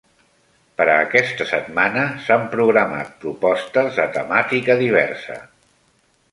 Per a aquesta setmana s'han programat propostes de temàtica diversa.